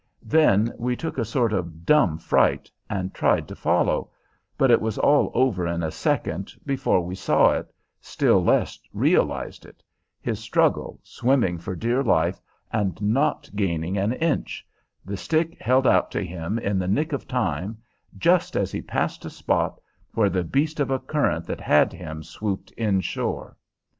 Then we took a sort of dumb fright, and tried to follow; but it was all over in a second, before we saw it, still less realized it his struggle, swimming for dear life, and not gaining an inch; the stick held out to him in the nick of time, just as he passed a spot where the beast of a current that had him swooped inshore.